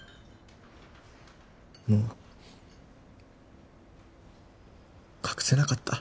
もう隠せなかった